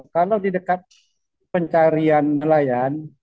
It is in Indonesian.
kalau didekat pencarian nelayan